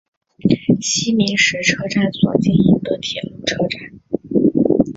西明石车站所经营的铁路车站。